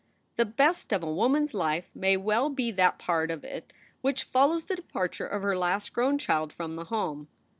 The best of a woman s life may well be that part of it which follows the departure of her last grown child from the home.